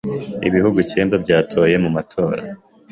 Ibihugu kemba byatoye mu matora